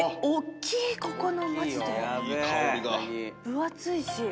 分厚いし。